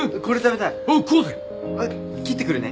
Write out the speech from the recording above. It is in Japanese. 切ってくるね。